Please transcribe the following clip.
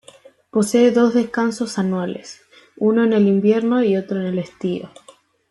Posee dos descansos anuales, uno en el invierno y otro en el estío.